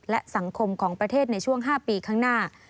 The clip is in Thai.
และสังคมของประเทศในช่วง๕ปีข้างหน้า